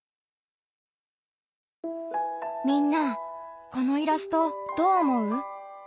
みんなこのイラストどう思う？